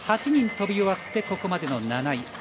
８人飛び終わってここまでの７位。